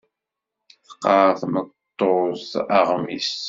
Teqqar tmeṭṭut aɣmis.